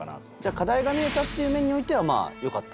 課題が見えたっていう面においては良かった？